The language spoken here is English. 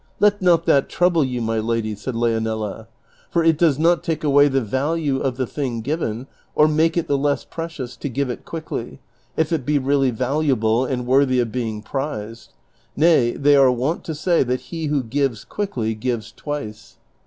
"Let not that trouble you, my lady,'" said Leonela, " for it does not take away the value of the thing given or make it the less pre cious to give it quicldy if it be really valuable and worthy of being prized ; nay, they are wont to say that he who gives quickly gives twice."